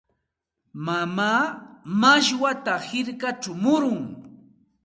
Mamaa mashwata hirkachaw murun.